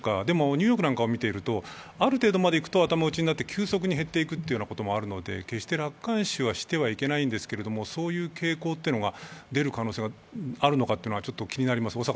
でもニューヨークなんかを見ているとある程度までいくと頭打ちになって急速に減っていくということもあるので、決して楽観視はしてはいけないんですけどそういう傾向というのが出る可能性があるのか気になります。